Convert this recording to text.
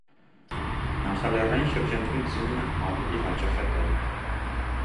Նախալեռնային շրջաններում ձյուն ավելի հաճախ է տեղում։